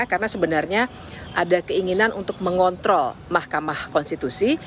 karena sebenarnya ada keinginan untuk mengontrol mahkamah konstitusi